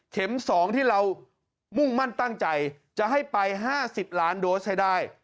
๒ที่เรามุ่งมั่นตั้งใจจะให้ไป๕๐ล้านโดสให้ได้